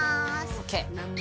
ＯＫ。